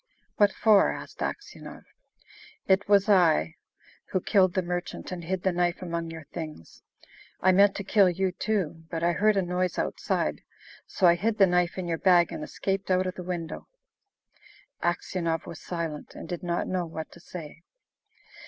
"What for?" asked Aksionov. "It was I who killed the merchant and hid the knife among your things. I meant to kill you too, but I heard a noise outside, so I hid the knife in your bag and escaped out of the window." Aksionov was silent, and did not know what to say.